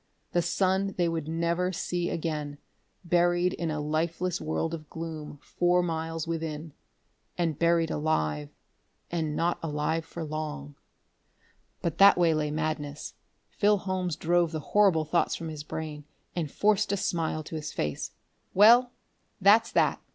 The sun they would never see again, buried in a lifeless world of gloom four miles within.... And buried alive and not alive for long.... But that way lay madness. Phil Holmes drove the horrible thoughts from his brain and forced a smile to his face. "Well, that's that!"